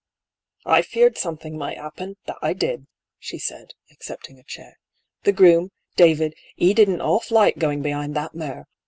" I feared something might happen, that I did," she said, accepting a chair. " The groom, David, he didn't half like going behind that mare.